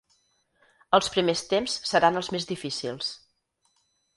Els primers temps seran els més difícils.